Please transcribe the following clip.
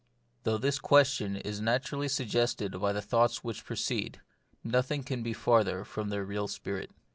Though this question is naturally suggested by the thoughts which precede, nothing can be farther from their real spirit.